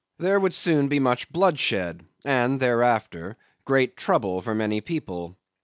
There would soon be much bloodshed, and thereafter great trouble for many people.